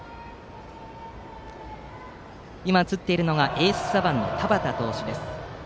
今、映っているのがエース左腕の田端投手。